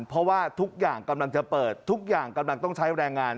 เพราะว่าทุกอย่างกำลังจะเปิดทุกอย่างกำลังต้องใช้แรงงาน